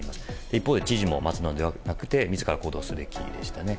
一方で知事も待つのではなく自ら行動するべきでしたね。